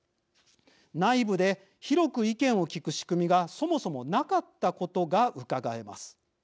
内部で広く意見を聞く仕組みが、そもそもなかったことがうかがえます。